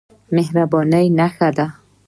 مهرباني ښه ده.